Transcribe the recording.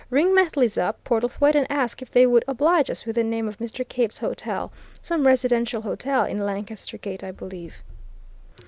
Ring Methley's up, Portlethwaite, and ask if they would oblige us with the name of Mr. Cave's hotel some residential hotel in Lancaster Gate, I believe."